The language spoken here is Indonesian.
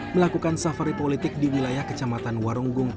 melakukan safari politik di wilayah kecamatan warunggung